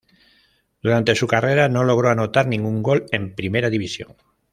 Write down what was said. Durante su carrera no logró anotar ningún gol en Primera división.